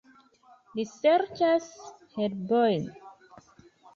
Li serĉas herbojn.